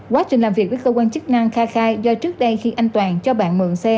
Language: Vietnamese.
quá trình làm việc với cơ quan chức năng kha khai do trước đây khi anh toàn cho bạn mượn xe